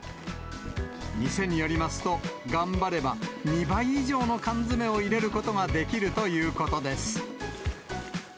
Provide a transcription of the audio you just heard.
店によりますと、頑張れば２倍以上の缶詰を入れることができるということです。